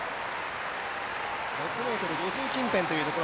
６ｍ５０近辺というところ。